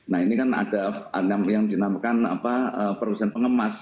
nah ini kan ada yang dinamakan produsen pengemas